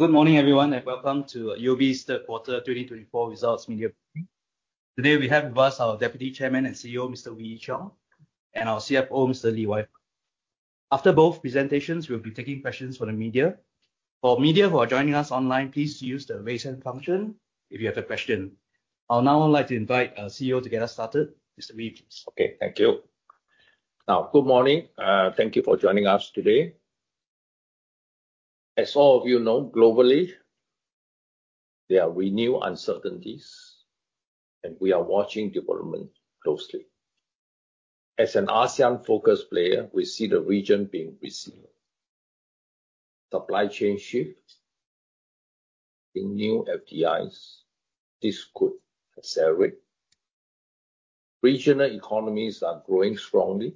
Good morning, everyone, and welcome to UOB's third quarter 2024 results media briefing. Today we have with us our Deputy Chairman and CEO, Mr. Wee Ee Cheong, and our CFO, Mr. Lee Wai Fai. After both presentations, we'll be taking questions from the media. For media who are joining us online, please use the Raise Hand function if you have a question. I would now like to invite our CEO to get us started. Mr. Wee, please. Okay. Thank you. Now, good morning. Thank you for joining us today. As all of you know, globally, there are renewed uncertainties. We are watching developments closely. As an ASEAN-focused player, we see the region being resilient. Supply chain shifts in new FDIs, this could accelerate. Regional economies are growing strongly.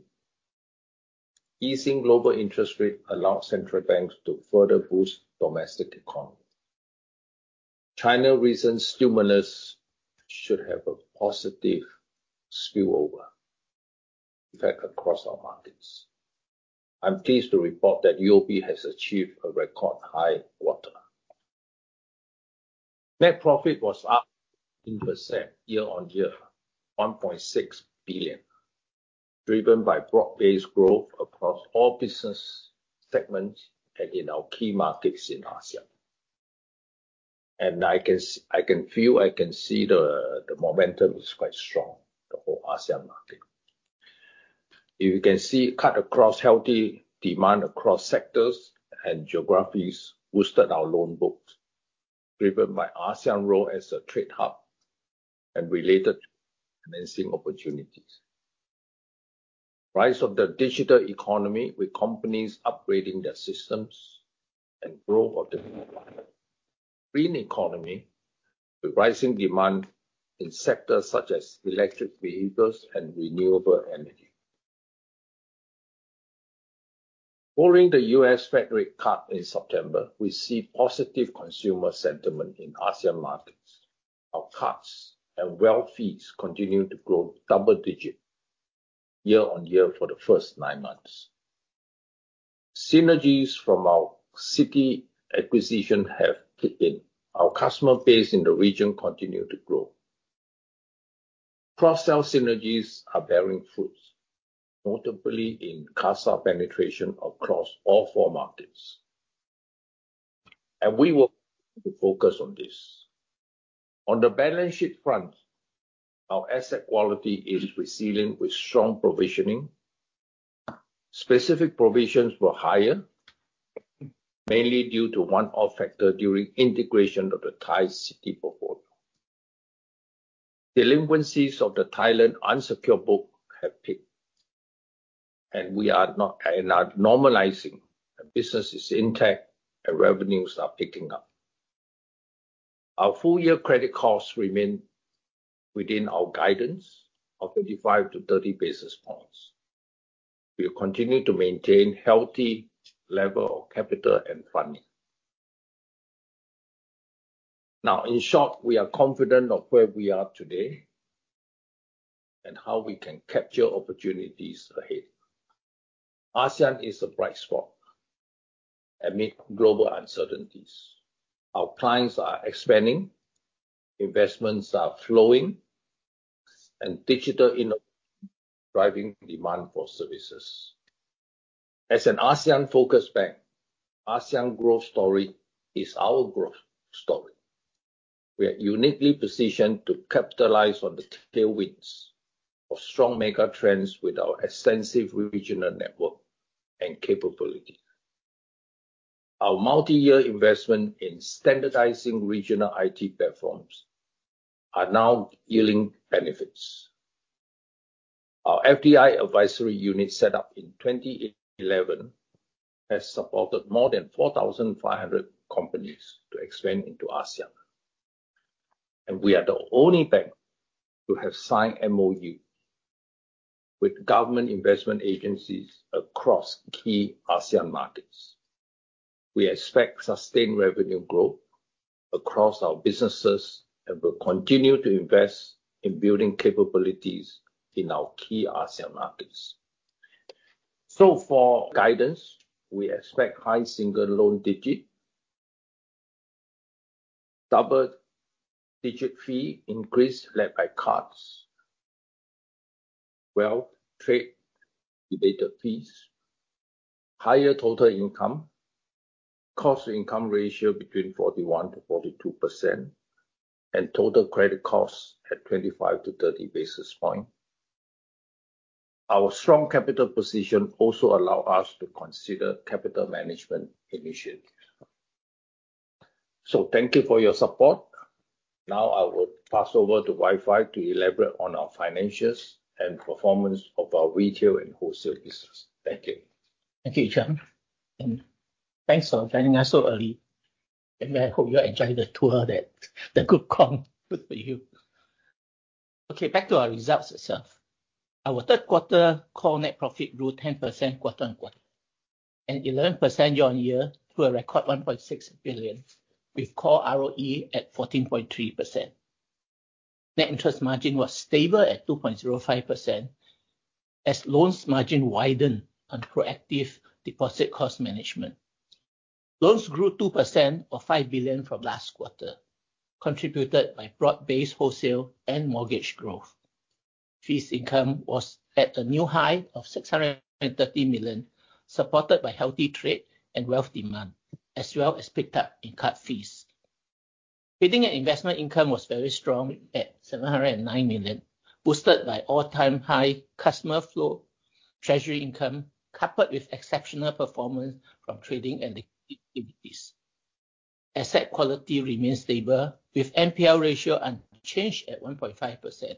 Easing global interest rates allows central banks to further boost domestic economy. China recent stimulus should have a positive spillover effect across our markets. I'm pleased to report that UOB has achieved a record high quarter. Net profit was up 10% year-on-year, SGD 1.6 billion, driven by broad-based growth across all business segments and in our key markets in ASEAN. I can feel, I can see the momentum is quite strong, the whole ASEAN market. You can see cut across healthy demand across sectors and geographies boosted our loan book, driven by ASEAN role as a trade hub and related financing opportunities. Rise of the digital economy with companies upgrading their systems and growth of the green economy with rising demand in sectors such as electric vehicles and renewable energy. Following the U.S. Fed rate cut in September, we see positive consumer sentiment in ASEAN markets. Our cards and wealth fees continue to grow double-digit year-on-year for the first nine months. Synergies from our Citi acquisition have kicked in. Our customer base in the region continue to grow. Cross-sell synergies are bearing fruits, notably in CASA penetration across all four markets. We will focus on this. On the balance sheet front, our asset quality is resilient with strong provisioning. Specific provisions were higher, mainly due to one-off factor during integration of the Thai Citi portfolio. Delinquencies of the Thailand unsecured book have peaked, and are normalizing. Business is intact, and revenues are picking up. Our full-year credit costs remain within our guidance of 25 to 30 basis points. We will continue to maintain healthy level of capital and funding. In short, we are confident of where we are today and how we can capture opportunities ahead. ASEAN is a bright spot amid global uncertainties. Our clients are expanding, investments are flowing, and digital innovation driving demand for services. As an ASEAN-focused bank, ASEAN growth story is our growth story. We are uniquely positioned to capitalize on the tailwinds of strong mega trends with our extensive regional network and capability. Our multi-year investment in standardizing regional IT platforms are now yielding benefits. Our FDI advisory unit set up in 2011 has supported more than 4,500 companies to expand into ASEAN, and we are the only bank to have signed MOU with government investment agencies across key ASEAN markets. We expect sustained revenue growth across our businesses and will continue to invest in building capabilities in our key ASEAN markets. For guidance, we expect high single loan digit, double-digit fee increase led by cards, wealth, trade-related fees, higher total income, cost-to-income ratio between 41%-42%, and total credit costs at 25-30 basis point. Our strong capital position also allow us to consider capital management initiatives. Thank you for your support. I will pass over to Wai Fai to elaborate on our financials and performance of our retail and wholesale business. Thank you. Thank you, Cheong, and thanks for joining us so early. I hope you enjoyed the tour that the group come with you. Back to our results itself. Our third quarter core net profit grew 10% quarter-on-quarter and 11% year-on-year to a record 1.6 billion, with core ROE at 14.3%. Net interest margin was stable at 2.05% as loans margin widened on proactive deposit cost management. Loans grew 2% or 5 billion from last quarter, contributed by broad-based wholesale and mortgage growth. Fees income was at a new high of 630 million, supported by healthy trade and wealth demand, as well as picked up in card fees. Trading and investment income was very strong at 709 million, boosted by all-time high customer flow, treasury income, coupled with exceptional performance from trading and activities. Asset quality remains stable, with NPL ratio unchanged at 1.5%.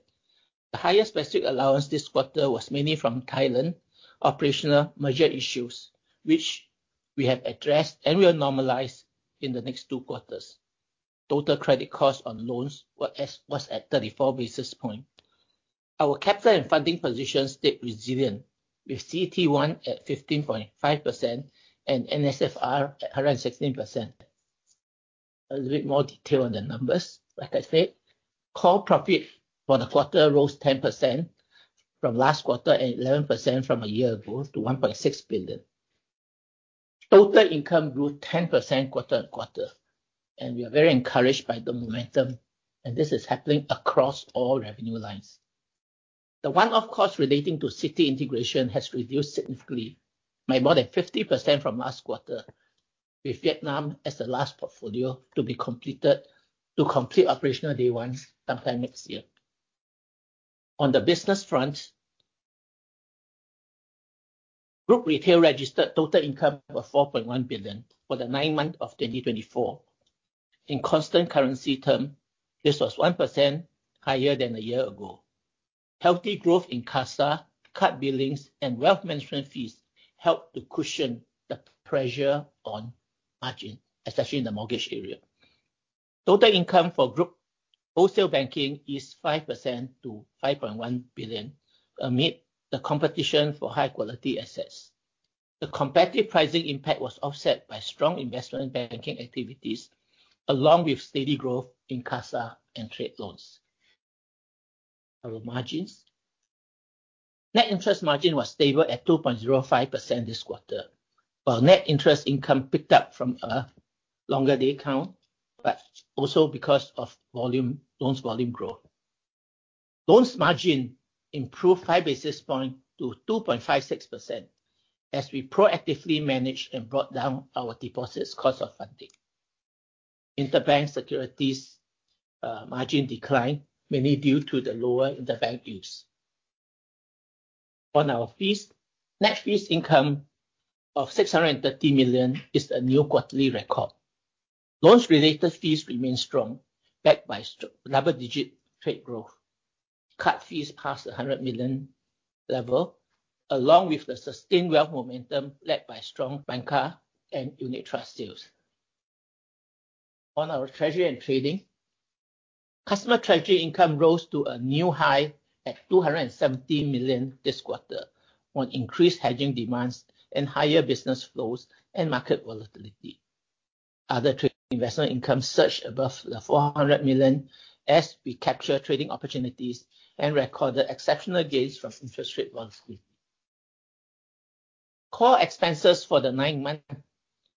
The highest specific allowance this quarter was mainly from Thailand operational merger issues, which we have addressed and will normalize in the next two quarters. Total credit cost on loans was at 34 basis point. Our capital and funding position stayed resilient, with CET1 at 15.5% and NSFR at 116%. A little bit more detail on the numbers. I said, core profit for the quarter rose 10% from last quarter and 11% from a year ago to 1.6 billion. Total income grew 10% quarter-on-quarter, we are very encouraged by the momentum, this is happening across all revenue lines. The one-off cost relating to Citi integration has reduced significantly by more than 50% from last quarter, with Vietnam as the last portfolio to complete operational day one sometime next year. On the business front, Group Retail registered total income of 4.1 billion for the nine months of 2024. In constant currency term, this was 1% higher than a year ago. Healthy growth in CASA, card billings, and wealth management fees helped to cushion the pressure on margin, especially in the mortgage area. Total income for group wholesale banking is 5% to 5.1 billion amid the competition for high-quality assets. The competitive pricing impact was offset by strong investment banking activities, along with steady growth in CASA and trade loans. Our margins. Net interest margin was stable at 2.05% this quarter, while net interest income picked up from a longer day count, also because of loans volume growth. Loans margin improved 5 basis points to 2.56% as we proactively managed and brought down our deposits cost of funding. Interbank securities margin declined, mainly due to the lower interbank use. On our fees, net fees income of 630 million is a new quarterly record. Loans-related fees remain strong, backed by double-digit trade growth. Card fees passed 100 million level, along with the sustained wealth momentum led by strong bancassurance and unit trust sales. On our treasury and trading, customer treasury income rose to a new high at 270 million this quarter on increased hedging demands and higher business flows and market volatility. Other trading investment income surged above the 400 million as we capture trading opportunities and recorded exceptional gains from interest rate swap unwind. Core expenses for the nine months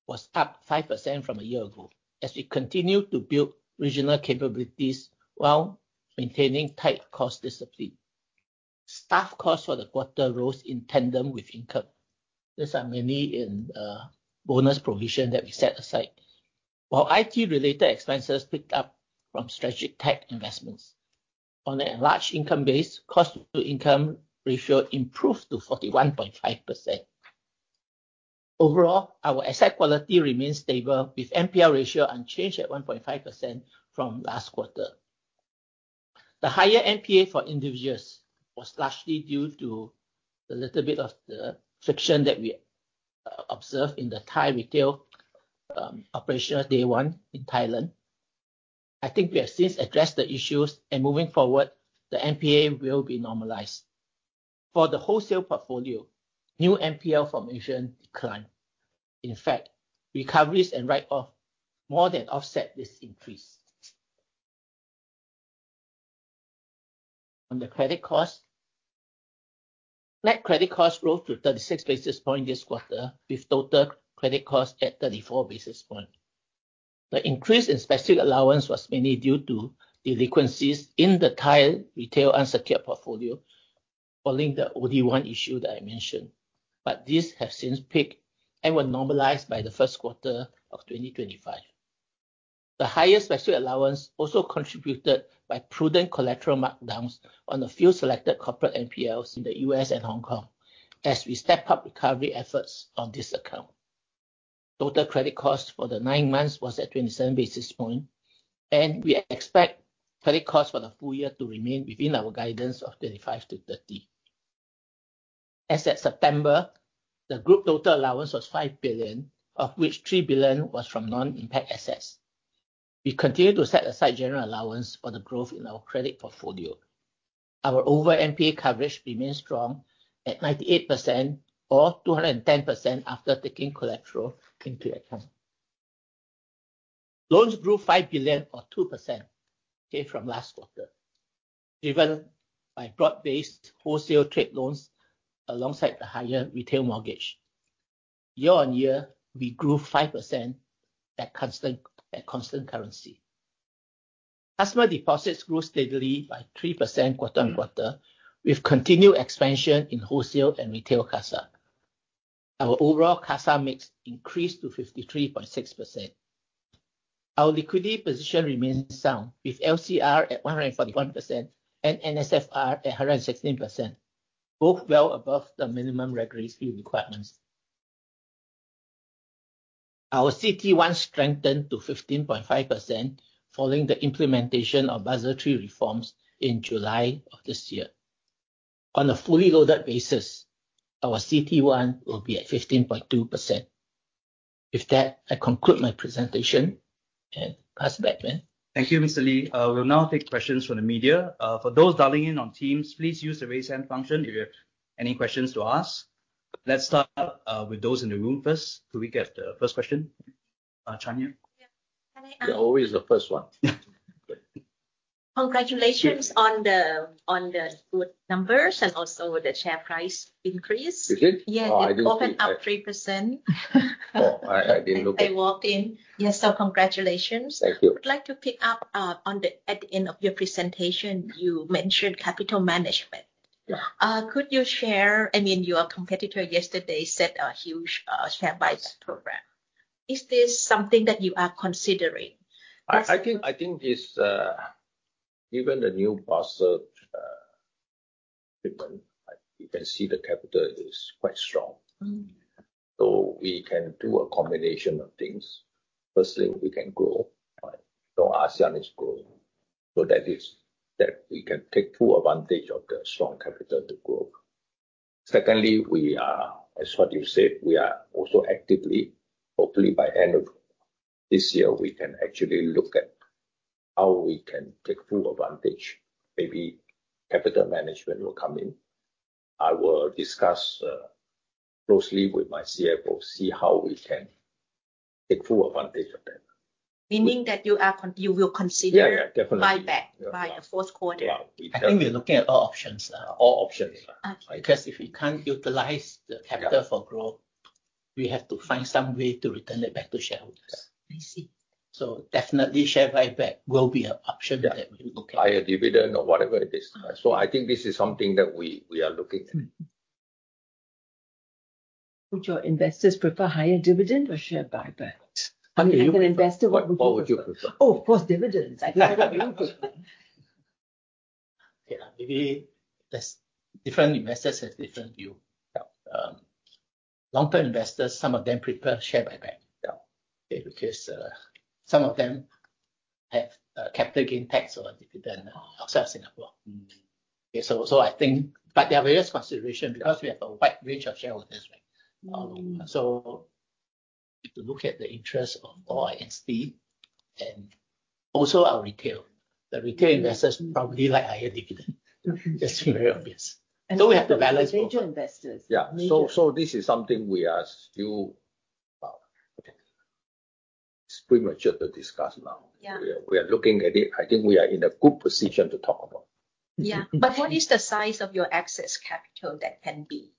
was up 5% from a year ago as we continue to build regional capabilities while maintaining tight cost discipline. Staff costs for the quarter rose in tandem with income. These are mainly in bonus provision that we set aside. IT related expenses picked up from strategic tech investments. On an enlarged income base, cost to income ratio improved to 41.5%. Overall, our asset quality remains stable, with NPL ratio unchanged at 1.5% from last quarter. The higher NPA for individuals was largely due to the little bit of the friction that we observed in the Thai retail operational OD1 in Thailand. I think we have since addressed the issues. Moving forward, the NPA will be normalized. For the wholesale portfolio, new NPL formation declined. In fact, recoveries and write-off more than offset this increase. On the credit cost, net credit cost rose to 36 basis points this quarter, with total credit cost at 34 basis points. The increase in specific allowance was mainly due to delinquencies in the Thai retail unsecured portfolio following the OD1 issue that I mentioned, these have since peaked and were normalized by the first quarter of 2025. The highest specific allowance also contributed by prudent collateral markdowns on a few selected corporate NPLs in the U.S. and Hong Kong, as we step up recovery efforts on this account. Total credit cost for the nine months was at 27 basis points. We expect credit cost for the full year to remain within our guidance of 35 basis points-30 basis points. As at September, the group total allowance was 5 billion, of which 3 billion was from non-impact assets. We continue to set aside general allowance for the growth in our credit portfolio. Our overall NPA coverage remains strong at 98% or 210% after taking collateral into account. Loans grew 5 billion or 2% from last quarter, driven by broad-based wholesale trade loans alongside the higher retail mortgage. Year-on-year, we grew 5% at constant currency. Customer deposits grew steadily by 3% quarter on quarter, with continued expansion in wholesale and retail CASA. Our overall CASA mix increased to 53.6%. Our liquidity position remains sound, with LCR at 141% and NSFR at 116%, both well above the minimum regulatory requirements. Our CET1 strengthened to 15.5% following the implementation of Basel III reforms in July of this year. On a fully loaded basis, our CET1 will be at 15.2%. With that, I conclude my presentation and pass back, Len. Thank you, Mr. Lee. We'll now take questions from the media. For those dialing in on Teams, please use the raise hand function if you have any questions to ask. Let's start with those in the room first. Could we get the first question? Chanya? Yeah. You're always the first one. Good. Congratulations on the good numbers and also the share price increase. Is it? Yeah. Oh, I didn't see. It opened up 3%. Oh, I didn't look at. As I walked in. Yes, so congratulations. Thank you. I would like to pick up on the end of your presentation, you mentioned capital management. Yeah. Could you share, your competitor yesterday set a huge share buybacks program. Is this something that you are considering? I think given the new Basel III requirement, you can see the capital is quite strong. We can do a combination of things. Firstly, we can grow, right? ASEAN is growing, that is that we can take full advantage of the strong capital to grow. Secondly, as what you said, we are also actively, hopefully by end of this year, we can actually look at how we can take full advantage. Maybe capital management will come in. I will discuss closely with my CFO, see how we can take full advantage of that. Meaning that you will consider. Yeah. Definitely buyback by the fourth quarter? Yeah. I think we are looking at all options. All options. Okay. Because if we can't utilize the capital for growth, we have to find some way to return it back to shareholders. I see. Definitely share buyback will be an option that we will look at. Higher dividend or whatever it is. I think this is something that we are looking at. Would your investors prefer higher dividend or share buyback? How can you- If you're an investor, what would you prefer? What would you prefer? Oh, of course, dividends. I prefer dividends. Yeah. Maybe different investors has different view. Yeah. Long-term investors, some of them prefer share buyback. Yeah. Some of them have capital gain tax on dividend- Oh outside Singapore. There are various consideration because we have a wide range of shareholders, right? We have to look at the interest of all institutional and also our retail. The retail investors probably like higher dividend. Okay. That's very obvious. We have to balance both. Major investors. Yeah. Major. This is something we are still, it's premature to discuss now. Yeah. We are looking at it. I think we are in a good position to talk about. What is the size of your excess capital that can be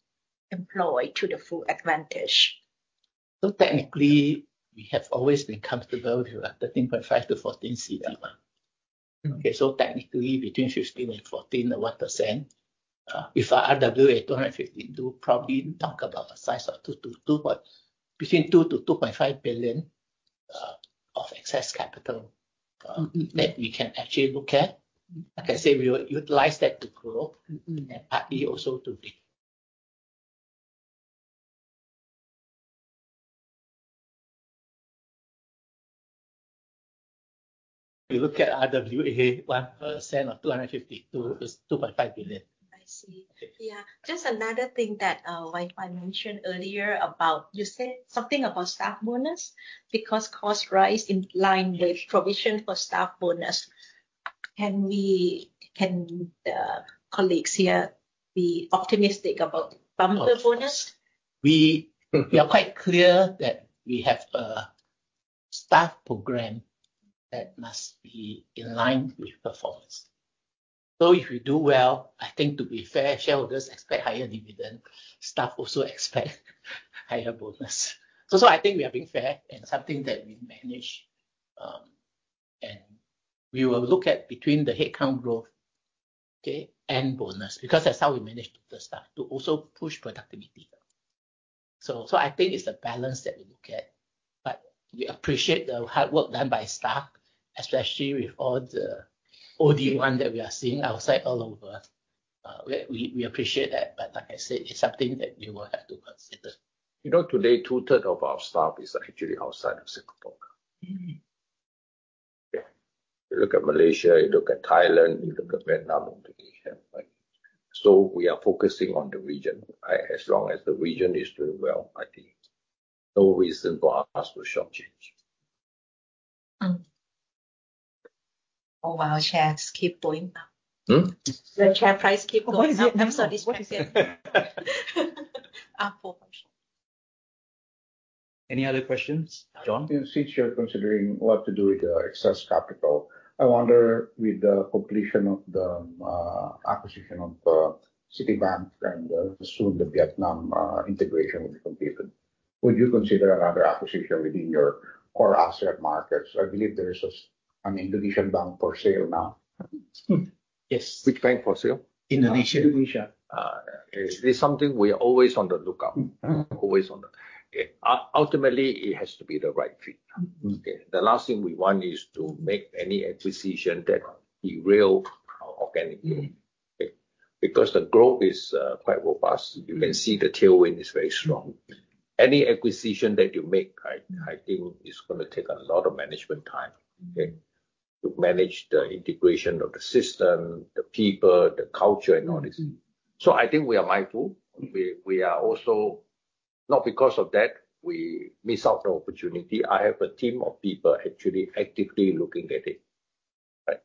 employed to the full advantage? technically, we have always been comfortable with our 13.5 to 14 CET1. technically between 15 and 14 or 1%, with our RWA 252, probably talk about a size of between 2 billion to 2.5 billion of excess capital. that we can actually look at. Like I said, we will utilize that to grow. partly also to re. If you look at RWA, 1% of 252 is 2.5 billion. I see. Yeah. Just another thing that Wai Fai mentioned earlier about, you said something about staff bonus, because cost rise in line with provision for staff bonus. Can the colleagues here be optimistic about bumper bonus? We are quite clear that we have a staff program that must be in line with performance. If we do well, I think to be fair, shareholders expect higher dividend, staff also expect higher bonus. I think we are being fair and something that we manage, and we will look at between the headcount growth and bonus, because that's how we manage the staff to also push productivity. I think it's a balance that we look at. We appreciate the hard work done by staff, especially with all the OD1 that we are seeing outside all over. We appreciate that, but like I said, it's something that we will have to consider. You know, today two third of our staff is actually outside of Singapore. Yeah. You look at Malaysia, you look at Thailand, you look at Vietnam, Indonesia, right? We are focusing on the region. As long as the region is doing well, I think no reason for us to shortchange. Oh, wow, shares keep going up. The share price keep going up. What is it? I'm sorry, what you say? Up 4%. Any other questions? John? Since you're considering what to do with the excess capital, I wonder, with the completion of the acquisition of Citibank and soon the Vietnam integration will be completed, would you consider another acquisition within your core asset markets? I believe there is an Indonesian bank for sale now. Yes. Which bank for sale? Indonesia. Indonesia. It is something we are always on the lookout. Ultimately, it has to be the right fit. Okay? The last thing we want is to make any acquisition that derail our organic growth. The growth is quite robust. You can see the tailwind is very strong. Any acquisition that you make, I think is going to take a lot of management time. To manage the integration of the system, the people, the culture, and all this. I think we are mindful. We are also, not because of that, we miss out the opportunity. I have a team of people actually actively looking at it, right?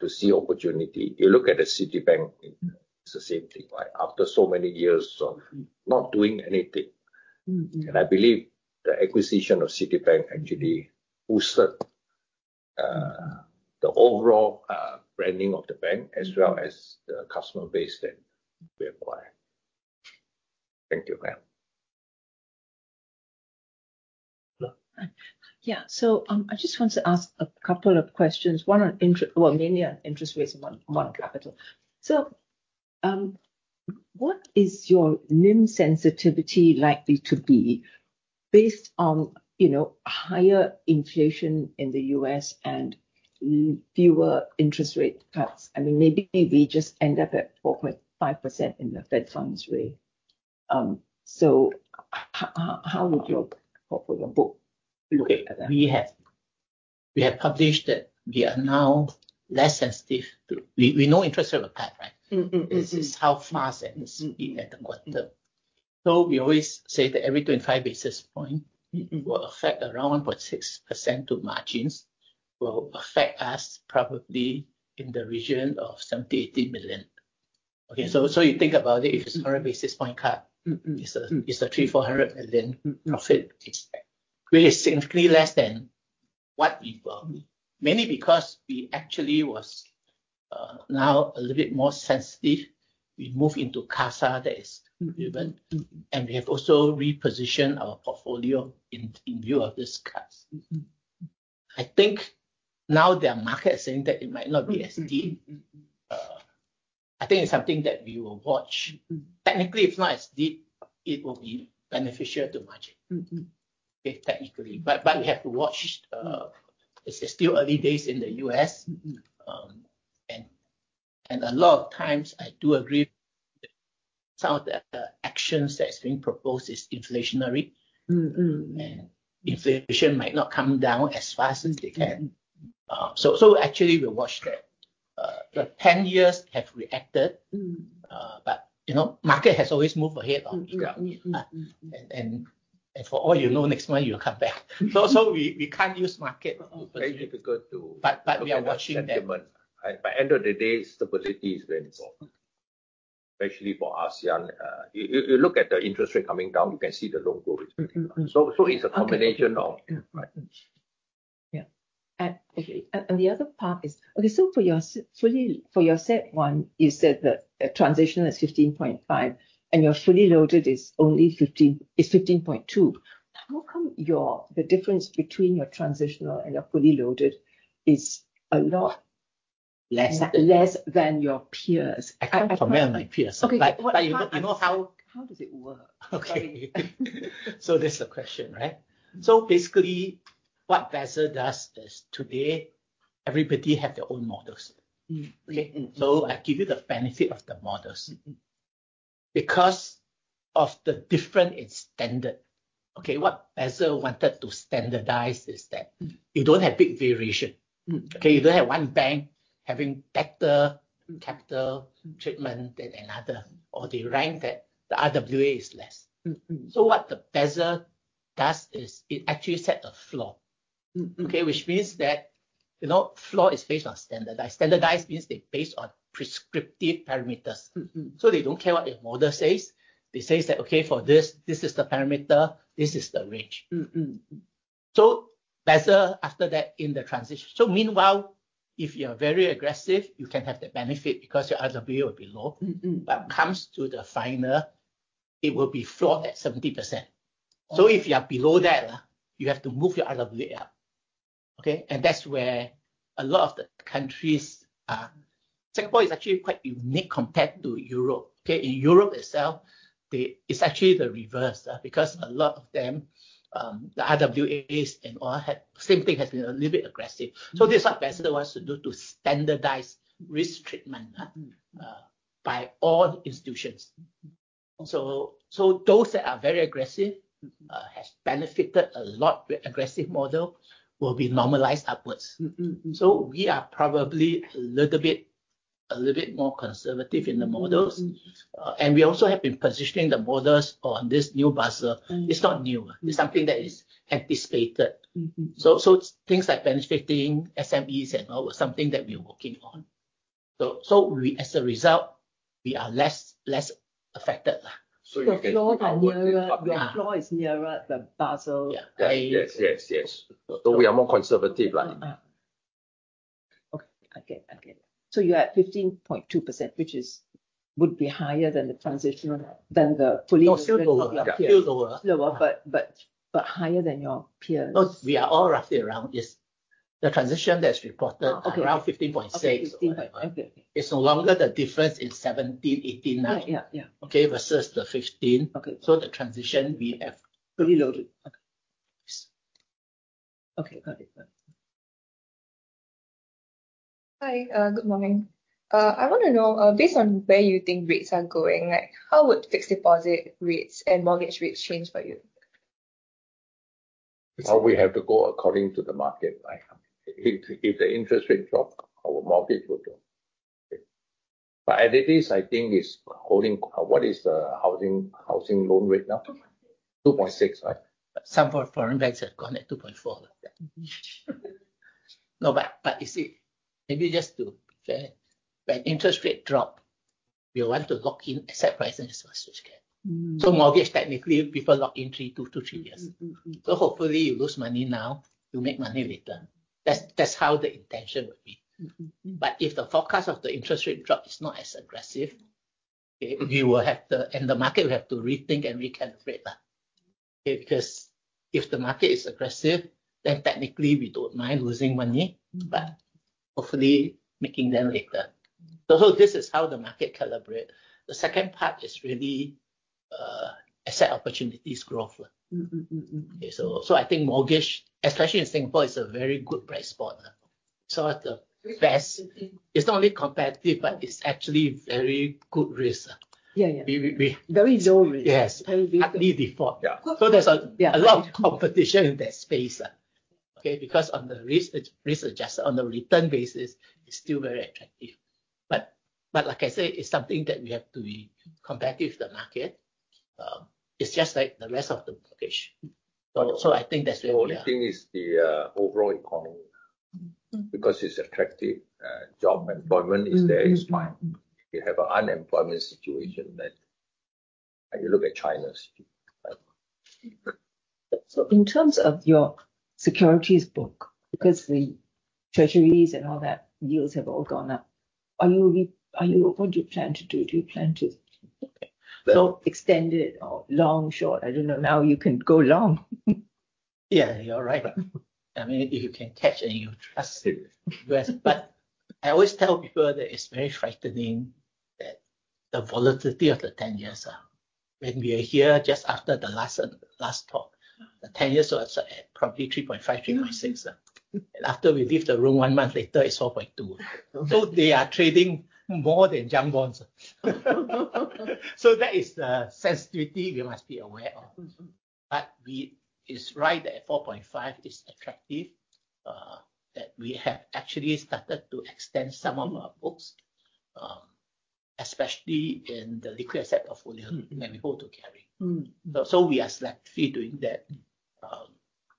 To see opportunity. You look at the Citibank. It's the same thing, right? After so many years of not doing anything. I believe the acquisition of Citibank actually boosted the overall branding of the bank as well as the customer base that we acquired. Thank you. Ma'am? Yeah. I just want to ask a couple of questions. One on interest, well, mainly on interest rates, and one on capital. What is your NIM sensitivity likely to be based on higher inflation in the U.S. and fewer interest rate cuts? Maybe we just end up at 4.5% in the Fed funds rate. How would your portfolio book look at that? Okay. We have published that we are now less sensitive to We know interest rate path, right? This is how fast and the speed at what. We always say that every 25 basis point- will affect around 1.6% to margins, will affect us probably in the region of 70 million-80 million. You think about it, if it's 100 basis point cut- it's a 300 million-400 million profit. It's really significantly less than what we've got. Mainly because we actually was now a little bit more sensitive. We move into CASA that is driven, and we have also repositioned our portfolio in view of this cuts. I think now there are markets saying that it might not be as deep. I think it's something that we will watch. Technically, if not as deep, it will be beneficial to margin. Okay, technically, but we have to watch. It's still early days in the U.S. A lot of times I do agree some of the actions that's being proposed is inflationary. Inflation might not come down as fast as they can. Actually we watch that. The 10 years have reacted. Market has always moved ahead. Yeah. For all you know, next month it'll come back. We can't use market. Very difficult to- We are watching that. By end of the day, stability is very important. Especially for ASEAN. You look at the interest rate coming down, you can see the loan growth is picking up. it's a combination of- Yeah. Right. Yeah. Okay. The other part is, okay, for your CET1, you said that the transition is 15.5, and your fully loaded is 15.2. How come the difference between your transitional and your fully loaded is a lot- Less less than your peers? I can't compare my peers. Okay. You know. How does it work? Okay. Sorry. This is the question, right? Basically, what Basel does is, today everybody have their own models. Okay? I give you the benefit of the models. Because of the different in standard, okay, what Basel wanted to standardize is that you don't have big variation. Okay? You don't have one bank having better capital treatment than another, or they rank that the RWA is less. what the Basel does is it actually set a floor. Okay? Which means that floor is based on standardized. Standardized means they based on prescriptive parameters. they don't care what your model says. They says that, "Okay, for this is the parameter, this is the range. Basel, after that, in the transition. Meanwhile, if you are very aggressive, you can have that benefit because your RWA will be low. Comes to the final, it will be floored at 70%. If you are below that, you have to move your RWA up. Okay. That's where a lot of the countries Singapore is actually quite unique compared to Europe. In Europe itself, it's actually the reverse, because a lot of them, the RWAs and all, same thing, has been a little bit aggressive. This is what Basel wants to do to standardize risk treatment- Those that are very aggressive, has benefited a lot with aggressive model, will be normalized upwards. We are probably a little bit more conservative in the models. We also have been positioning the models on this new Basel. It's not new. It's something that is anticipated. Things like benefiting SMEs and all something that we are working on. As a result, we are less affected. Your floor is nearer the Basel- Yeah. A. Yes. We are more conservative. Okay. You're at 15.2%, which would be higher than the transitional. No, still lower. Still lower. Higher than your peers. No, we are all roughly around, yes, the transition that's reported. Okay around 15.6. Okay. It's no longer the difference in 17, 18, 19. Yeah Okay, versus the 15. Okay. The transition we have fully loaded. Okay, got it. Hi, good morning. I want to know, based on where you think rates are going, how would fixed deposit rates and mortgage rates change for you? We have to go according to the market, right? If the interest rate drop, our mortgage will drop. As it is, I think it's holding. What is the housing loan rate now? 2.6%, right? Some foreign banks have gone at 2.4%. No, you see, maybe just to be fair, when interest rate drop, we want to lock in asset prices for switchgear. Mortgage, technically, people lock in two to three years. Hopefully you lose money now, you make money later. That's how the intention will be. If the forecast of the interest rate drop is not as aggressive, and the market will have to rethink and recalibrate. Because if the market is aggressive, then technically we don't mind losing money, but hopefully making them later. This is how the market calibrates. The second part is really asset opportunities growth. I think mortgage, especially in Singapore, is a very good price spot. At the best, it's not only competitive, but it's actually very good risk. Yeah. We- Very low risk. Yes. Hardly default. Yeah. There's a lot of competition in that space. Because on the risk-adjusted, on the return basis, it's still very attractive. Like I say, it's something that we have to be competitive with the market. It's just like the rest of the mortgage. I think that's where we are. The only thing is the overall economy. It's attractive, job employment is there, is fine. You have an unemployment situation, then you look at China's situation, right? In terms of your securities book, because the treasuries and all that, yields have all gone up. What do you plan to do? Do you plan to sell extended or long, short? I don't know. Now you can go long. Yeah, you're right. If you can catch and you trust the U.S., but I always tell people that it's very frightening, the volatility of the 10 years. When we are here, just after the last talk, the 10 years was at probably 3.5, 3.6. Yeah. After we leave the room, one month later, it's 4.2. Okay. They are trading more than junk bonds. That is the sensitivity we must be aware of. It is right that at 4.5 it's attractive, that we have actually started to extend some of our books, especially in the liquid asset portfolio. that we hope to carry. We are selectively doing that.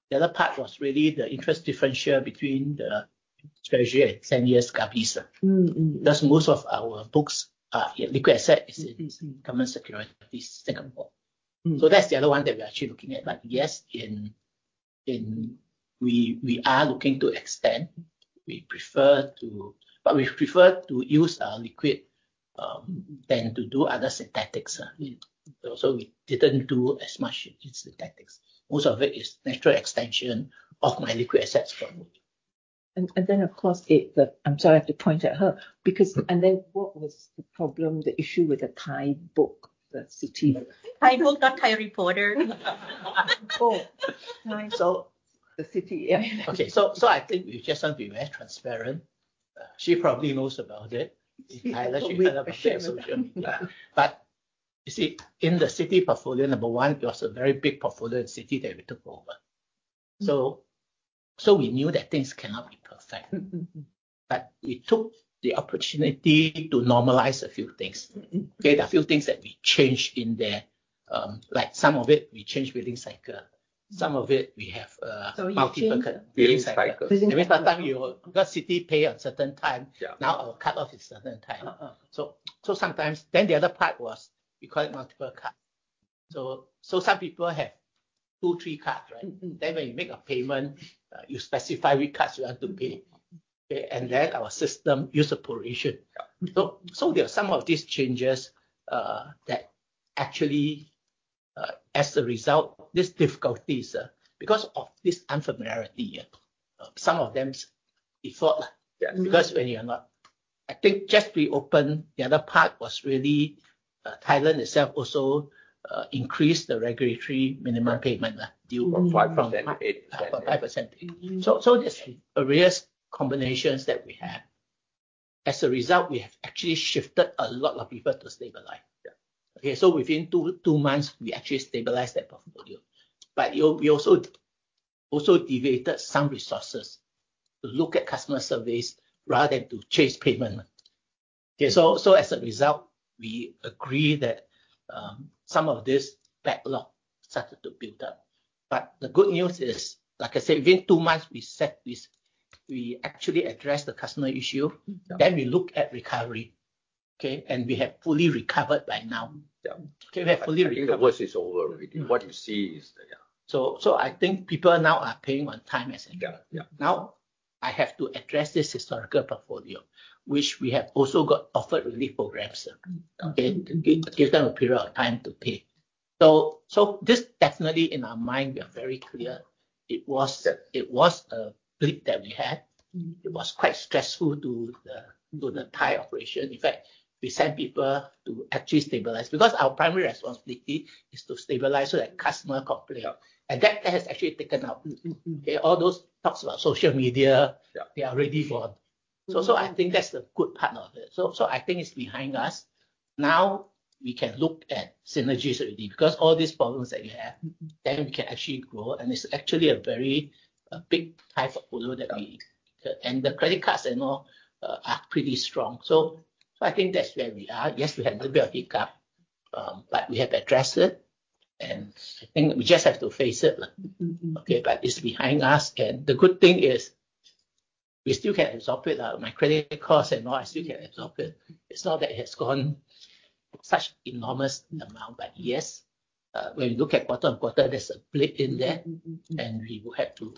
The other part was really the interest differential between the Treasury 10 years gap is. Thus, most of our books are liquid asset. is in government securities Singapore. That's the other one that we are actually looking at. Yes, we are looking to extend. We prefer to use our liquid, than to do other synthetics. We didn't do as much in synthetics. Most of it is natural extension of my liquid assets. Of course, the I'm sorry, I have to point at her. What was the problem, the issue with the Thai book, the Citi? Thai book, not Thai reporter. Oh. The Citi, yeah. Okay, I think we just want to be very transparent. She probably knows about it. She probably knows about it. You see, in the Citi portfolio, number 1, it was a very big portfolio in Citi that we took over. We knew that things cannot be perfect. We took the opportunity to normalize a few things. Okay, there are a few things that we changed in there. Like some of it, we changed billing cycle. You changed. Billing cycle Billing cycle. Because sometimes you got Citi pay at certain time. Yeah. Now our cut-off is certain time. The other part was we call it multiple card. Some people have two, three cards, right? When you make a payment, you specify which cards you want to pay. Okay. Our system use a portion. Yeah. There are some of these changes, that actually, as a result of these difficulties, because of this unfamiliarity, some of them default. Yeah. Because when you're not I think just we open the other part was really, Thailand itself also increased the regulatory minimum payment due- From 5% to 8%. From 5%. There's various combinations that we have. As a result, we have actually shifted a lot of people to stabilize. Okay. Within two months, we actually stabilized that portfolio. We also deviated some resources to look at customer service rather than to chase payment. As a result, we agree that some of this backlog started to build up. The good news is, like I said, within two months, we actually addressed the customer issue. We look at recovery. Okay. We have fully recovered by now. Yeah. We have fully recovered. I think the worst is over with. What you see is that, yeah. I think people now are paying on time. Yeah. Now, I have to address this historical portfolio, which we have also got offered relief programs. Okay. Give them a period of time to pay. This definitely in our mind, we are very clear it was a blip that we had. It was quite stressful to the entire operation. In fact, we sent people to actually stabilize, because our primary responsibility is to stabilize so that customer complaint. Okay. All those talks about social media. Yeah we are ready for. I think that's the good part of it. I think it's behind us. Now, we can look at synergies with you because all these problems that we have. We can actually grow. It's actually a very big type of portfolio. The credit cards and all are pretty strong. I think that's where we are. Yes, we had a little bit of hiccup, but we have addressed it, and I think we just have to face it. Okay. It's behind us, and the good thing is we still can absorb it. My credit cards and all, I still can absorb it. It's not that it has gone such enormous amount, but yes, when you look at quarter-on-quarter, there's a blip in there. We will have to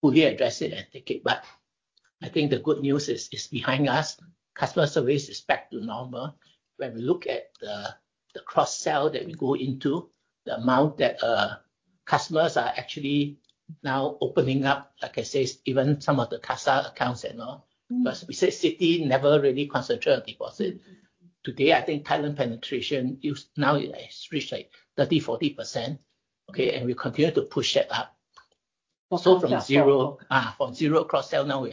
fully address it and take it. I think the good news is, it's behind us. Customer service is back to normal. When we look at the cross-sell that we go into, the amount that customers are actually now opening up, like I said, even some of the CASA accounts and all. We say Citi never really concentrate on deposit. Today, I think talent penetration, now it has reached 30%, 40%. Okay. We continue to push that up. Also from zero cross-sell,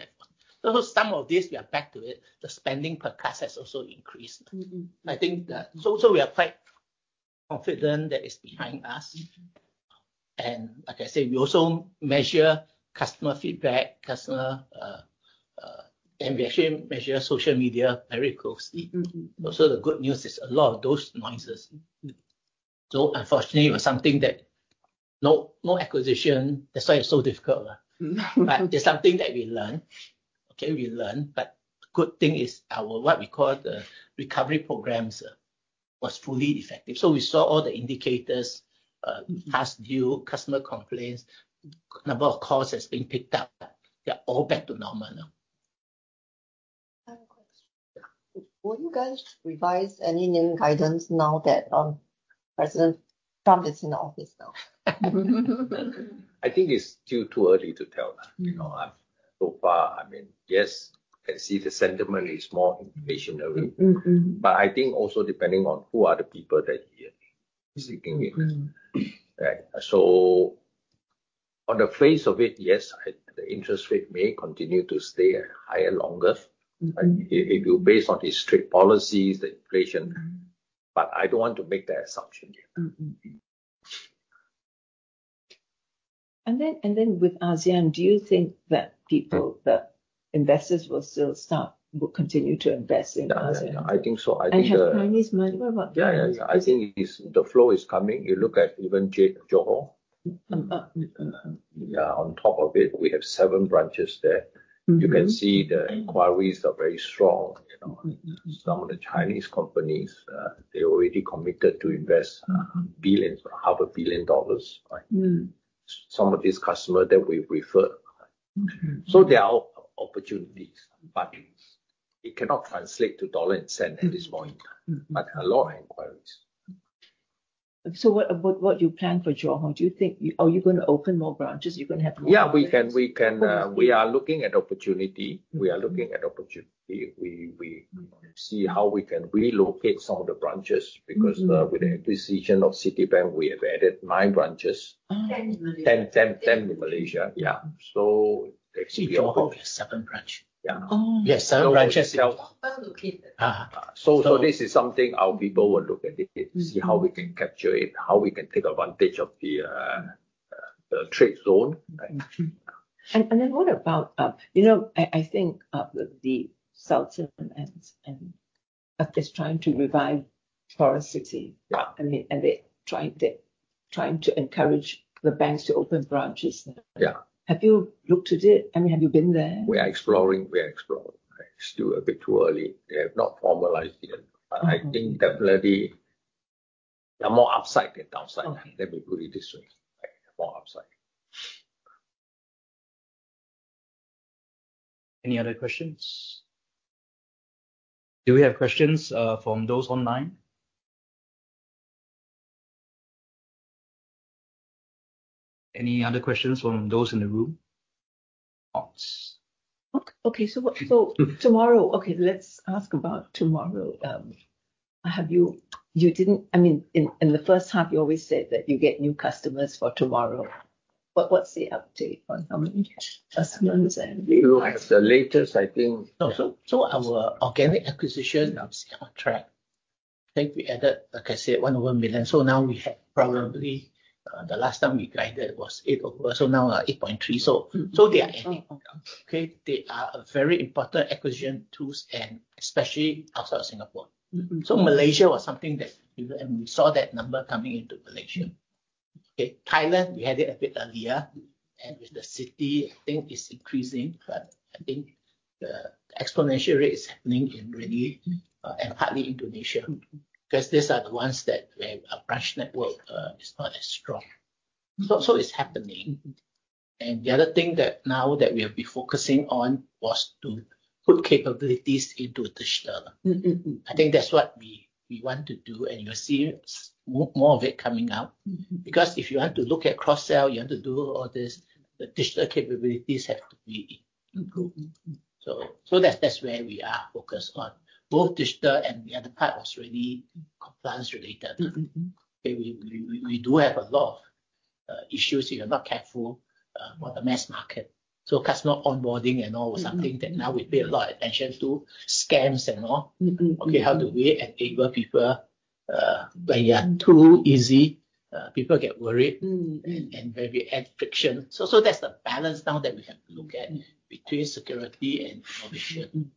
some of this we are back to it, the spending per customer has also increased. I think that also we are quite confident that it's behind us. Like I said, we also measure customer feedback, we actually measure social media very closely. Also, the good news is a lot of those noises. Unfortunately, it was something that no acquisition, that's why it's so difficult. We learn. Okay. We learn, good thing is our, what we call the recovery programs, was fully effective. We saw all the indicators, past due, customer complaints, number of calls that's been picked up. They're all back to normal now. I have a question. Yeah. Will you guys revise any new guidance now that President Trump is in the office now? I think it's still too early to tell. Far, yes, I can see the sentiment is more inflationary. I think also depending on who are the people that he is seeking with. Right. On the face of it, yes, the interest rate may continue to stay higher, longer. Based on his strict policies, the inflation. I don't want to make that assumption yet. With ASEAN, do you think that investors will continue to invest in ASEAN? Yeah. I think so. Have Chinese money worry about. Yeah. I think the flow is coming. You look at even Johor. Yeah. On top of it, we have seven branches there. You can see the inquiries are very strong. Some of the Chinese companies, they already committed to invest billions or half a billion SGD. Right? Some of these customer that we refer. There are opportunities, but it cannot translate to dollar and cent at this point. A lot of inquiries. What you plan for Johor, are you going to open more branches? You're going to have more branches? Yeah. We are looking at opportunity. We are looking at opportunity. We see how we can relocate some of the branches. With the acquisition of Citibank, we have added 10 branches. Oh. 10 in Malaysia. Yeah. In Johor, seven branch. Yeah. Oh, okay. Yeah, seven branches. Relocate. So- This is something our people will look at it. See how we can capture it, how we can take advantage of the trade zone. Right? Mm-hmm. What about, I think, the Sultanate and that is trying to revive Kuantan City. Yeah. They're trying to encourage the banks to open branches. Yeah. Have you looked at it? Have you been there? We are exploring. It's still a bit too early. They have not formalized it. I think definitely there are more upside than downside. Okay. Let me put it this way. More upside. Any other questions? Do we have questions from those online? Any other questions from those in the room? Thoughts. Okay. UOB TMRW, okay, let's ask about UOB TMRW. In the first half, you always said that you get new customers for UOB TMRW. What's the update on how many customers and- As the latest, I think- No. Our organic acquisition is on track. I think we added, like I said, 1 over a million. Now we have probably, the last time we guided was 8 over, now we are 8.3, they are adding up. Okay. They are a very important acquisition tools and especially outside of Singapore. Malaysia was something that, and we saw that number coming into Malaysia. Okay. Thailand, we had it a bit earlier, and with the Citi, I think it's increasing, but I think the exponential rate is happening in Indonesia, and partly Indonesia, because these are the ones that where our branch network is not as strong. It's happening, and the other thing that now that we'll be focusing on was to put capabilities into digital. I think that's what we want to do, and you'll see more of it coming out. If you want to look at cross-sell, you have to do all this, the digital capabilities have to be improved. That's where we are focused on, both digital and the other part was really compliance related. Okay. We do have a lot of issues if you're not careful, with the mass market. customer onboarding and all was something. that now we pay a lot attention to scams and all. Okay. How do we enable people? When you are too easy, people get worried. Where we add friction. That's the balance now that we have to look at between security and friction.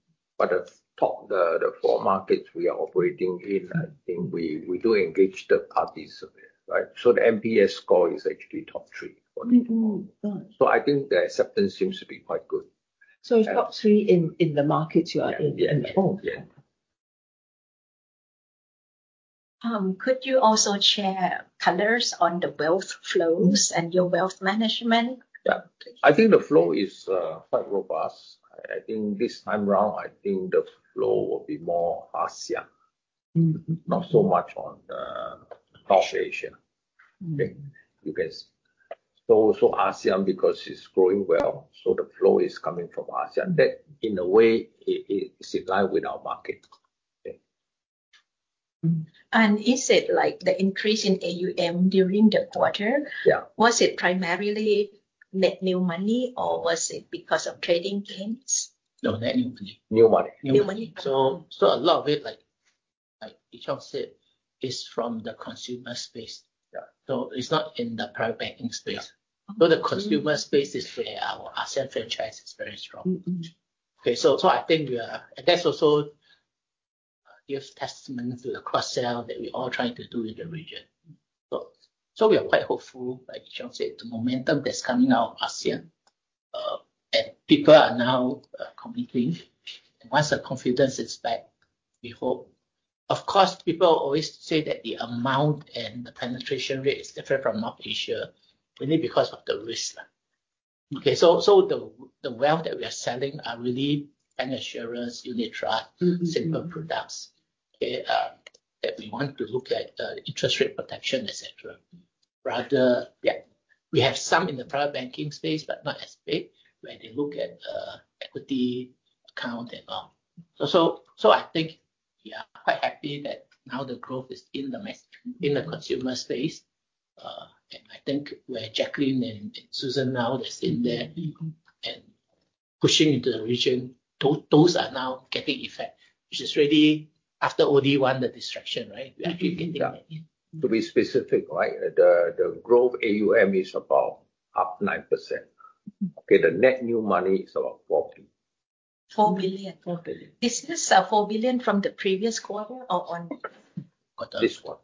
The top four markets we are operating in, I think we do engage the parties a bit, right? The NPS score is actually top three for UOB. Mm-hmm. Nice. I think the acceptance seems to be quite good. It's top three in the markets you are in involved? Yeah. Could you also share colors on the wealth flows and your wealth management? Yeah. I think the flow is quite robust. I think this time around, I think the flow will be more ASEAN. Not so much on the North Asia. Okay. You can see. ASEAN because it's growing well, so the flow is coming from ASEAN, that in a way is in line with our market. Yeah. Is it like the increase in AUM during the quarter? Yeah. Was it primarily net new money or was it because of trading gains? No, net new money. New money. New money? A lot of it, like Cheok said, is from the consumer space. Yeah. It's not in the private banking space. The consumer space is where our asset franchise is very strong. Okay. I think we are. That also gives testament to the cross-sell that we are trying to do in the region. We are quite hopeful, like Cheok said, the momentum that's coming out of ASEAN, and people are now competing. Once the confidence is back, we hope Of course, people always say that the amount and the penetration rate is different from North Asia, really because of the risk. Okay, the wealth that we are selling are really an assurance unit trust- similar products, okay, that we want to look at the interest rate protection, et cetera. We have some in the private banking space, but not as big, where they look at equity account and all. I think we are quite happy that now the growth is in the consumer space. I think where Jacquelyn and Susan now that's in there. Pushing into the region, those are now getting effect, which is really after OD1, the distraction, right? We're actually getting there. Yeah. To be specific, right? The growth AUM is about up 9%. Okay. The net new money is about 4 billion. 4 billion. 4 billion. Is this 4 billion from the previous quarter or? Quarter. This quarter.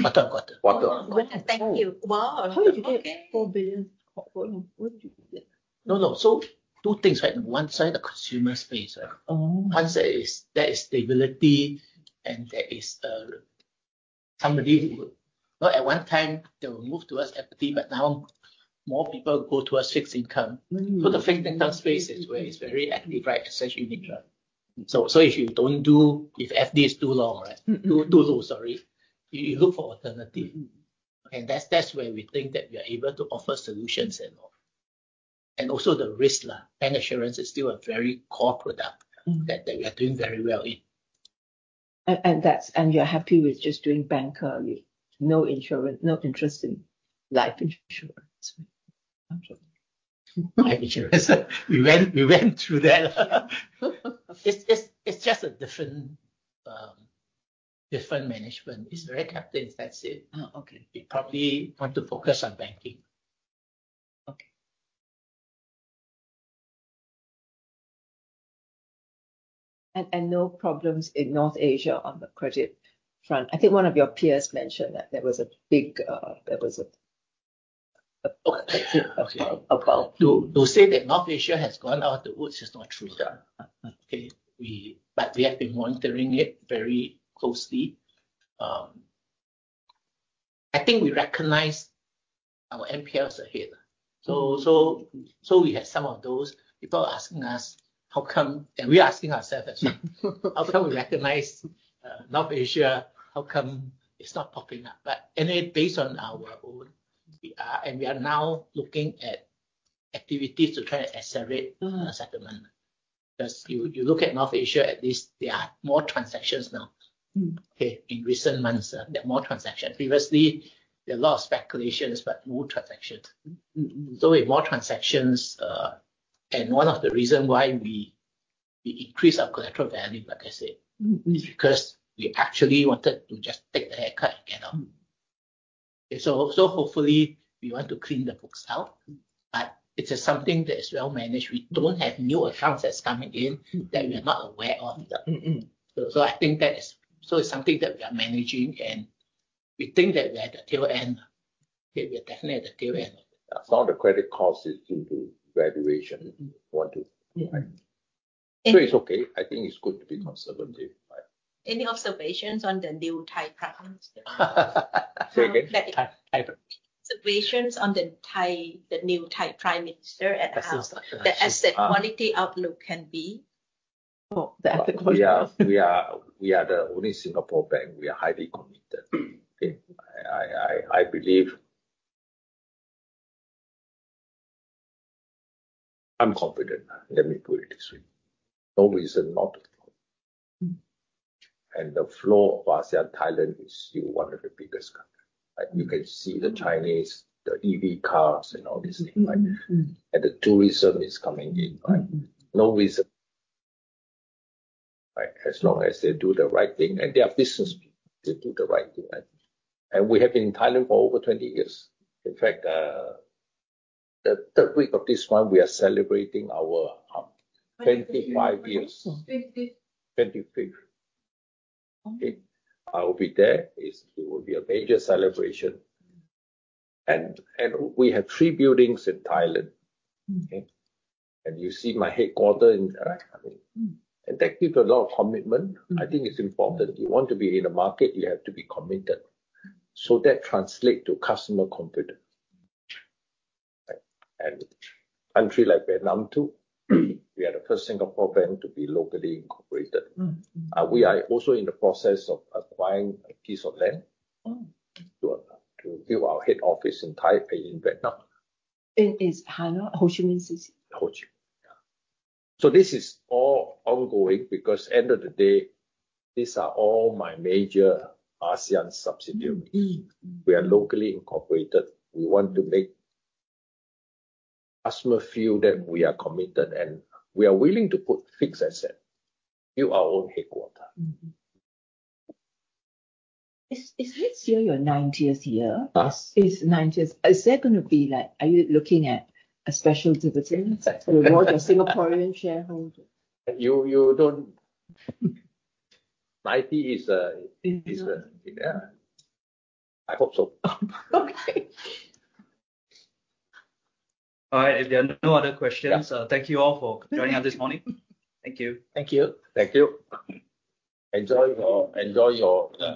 Quarter-on-quarter. Quarter-on-quarter. Quarter-on-quarter. Thank you. Wow, okay. How did you get 4 billion, quarter-on-quarter? Where did you get that? No, two things, right? One side, the consumer space, right? Oh. One side is there is stability and there is some relief. At one time they will move towards equity, now more people go towards fixed income. The fixed income space is where it's very active, right? Especially unit trust. If you don't do, if FD is too low, right? Too low, sorry. You look for alternative. Okay. That's where we think that we are able to offer solutions and all. Also the risk. Bancassurance is still a very core product. That we are doing very well in. You're happy with just doing bank, are you? No insurance, no interest in life insurance? Life insurance. We went through that. Yeah. It's just a different management. It's very capital intensive. Oh, okay. We probably want to focus on banking. Okay. No problems in North Asia on the credit front. I think one of your peers mentioned that there was a big. Okay. about- To say that North Asia has gone out the woods is not true. Yeah. Okay. We have been monitoring it very closely. I think we recognize our NPLs are here. We had some of those people asking us how come, and we are asking ourself as well. How come we recognize North Asia? How come it's not popping up? Based on our own, we are now looking at activities to try and accelerate. settlement. You look at North Asia, at least there are more transactions now. Okay? In recent months, there are more transactions. Previously, there are a lot of speculations but no transactions. We have more transactions, and one of the reason why we increase our collateral value, like I said. is because we actually wanted to just take the haircut and get out. Hopefully we want to clean the books out. It is something that is well managed. We don't have new accounts that's coming in. that we are not aware of. It's something that we are managing, and we think that we are at the tail end. Okay. We are definitely at the tail end. Some of the credit cost is due to valuation. One, two. Yeah. It's okay. I think it's good to be conservative. Any observations on the new Thai prime minister? Say again? Thai prime. Observations on the new Thai prime minister at the house. Asset. The asset quality outlook can be? Oh, the asset quality. We are the only Singapore bank. We are highly committed. Okay? I believe I'm confident, let me put it this way. No reason not to be. The flow of ASEAN, Thailand is still one of the biggest country. Like you can see the Chinese, the EV cars, and all these things, right? The tourism is coming in. No reason. As long as they do the right thing, and they are business people, they do the right thing. We have been in Thailand for over 20 years. In fact, the third week of this month, we are celebrating our 25 years. 25. 25. Okay. I will be there. It will be a major celebration. We have three buildings in Thailand. Okay? And you see my headquarters in. That gives a lot of commitment. I think it's important. You want to be in a market, you have to be committed. That translate to customer confidence. Right? Country like Vietnam too, we are the first Singapore bank to be locally incorporated. We are also in the process of acquiring a piece of land. Oh to build our head office in Taipei, in Vietnam. In Hanoi? Ho Chi Minh City? Ho Chi Minh, yeah. This is all ongoing because end of the day, these are all my major ASEAN subsidiaries. We are locally incorporated. We want to make customer feel that we are committed, and we are willing to put fixed asset, build our own headquarter. Mm-hmm. Is this year your 90th year? Yes. It's 90th. Is there going to be like, are you looking at a special dividend- to reward your Singaporean shareholder? You don't 90 is a- Is a- Yeah. I hope so. Okay. All right. If there are no other questions. Yeah Thank you all for joining us this morning. Thank you. Thank you. Thank you. Enjoy your